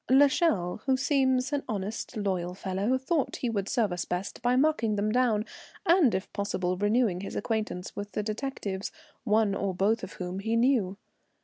L'Echelle, who seems an honest, loyal fellow, thought he would serve us best by marking them down, and, if possible, renewing his acquaintance with the detectives, one or both of whom he knew.